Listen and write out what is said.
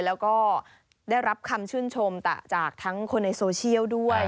แล้วก็ได้รับคำชื่นชมจากทั้งคนในโซเชียลด้วย